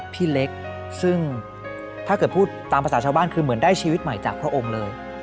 พี่เล็กซึ่งถ้าเกิดพูดตามภาษาชาวบ้านคือเหมือนได้ชีวิตใหม่จากพระองค์เลย